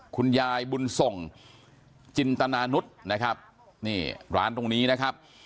คุณยายบุญส่งจินตนานุษย์นะครับนี่ร้านตรงนี้นะครับ